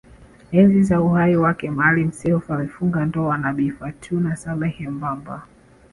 Enzi za uhai wake Maalim Self alifunga ndoa na Bi Fourtuna Saleh Mbamba